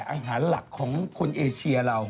อาหารหลักของคนเอเชียเรา